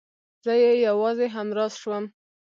زه يې يوازې همراز شوم.